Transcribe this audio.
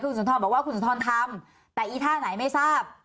คุณสุนทรบอกว่าคุณสุนทรทำแต่อีท่าไหนไม่ทราบ